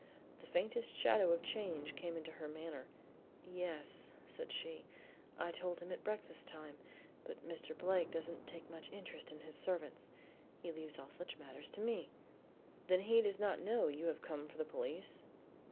The faintest shadow of a change came into her manner. "Yes," said she, "I told him at breakfast time; but Mr. Blake doesn't take much interest in his servants; he leaves all such matters to me." "Then he does not know you have come for the police?"